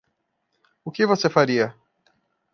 O que você faria?